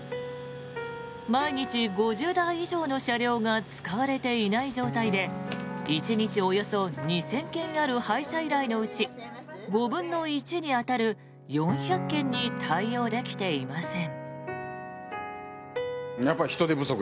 毎日５０台以上の車両が使われていない状態で１日およそ２０００件ある配車依頼のうち５分の１に当たる４００件に対応できていません。